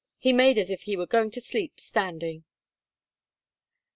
He made as if he were going to sleep standing.'